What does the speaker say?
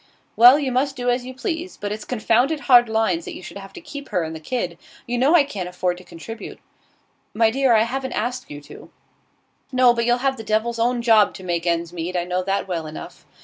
'Well, you must do as you please. But it's confounded hard lines that you should have to keep her and the kid. You know I can't afford to contribute.' 'My dear, I haven't asked you to.' 'No, but you'll have the devil's own job to make ends meet; I know that well enough.